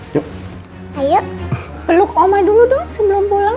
yuk ayo peluk oma dulu dong sebelum pulang